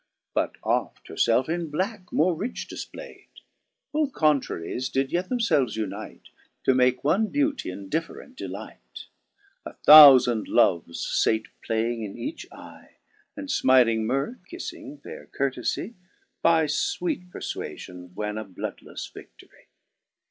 But oft her felfe in blacke more rich difplay'd ; Both contraries did yet themfelvcs unite. To make one beauty in different delight : A thoufand Loves fate playing in each eye ; And fmiling Mirth, kiffing fair Courtefie, By fweete perfwafion wan a bloodlefle vidtory.